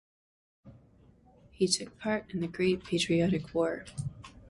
He took part in the Great Patriotic War.